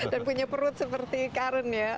dan punya perut seperti karen ya